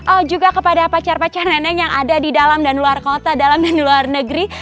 oh juga kepada pacar pacar nenek yang ada di dalam dan luar kota dalam dan luar negeri